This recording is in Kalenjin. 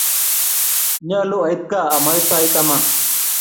Nyalu ait kaa amait sait taman